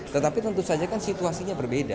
tetapi tentu saja kan situasinya berbeda